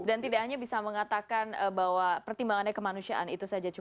dan tidak hanya bisa mengatakan bahwa pertimbangannya kemanusiaan itu saja cukup